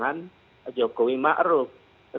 jadi itu adalah hal yang sulit